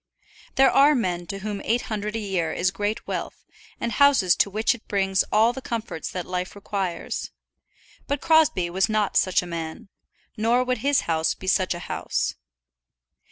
There are men to whom eight hundred a year is great wealth, and houses to which it brings all the comforts that life requires. But Crosbie was not such a man, nor would his house be such a house.